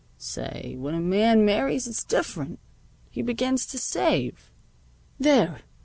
Say, when a man marries it's different. He begins to save." "There!"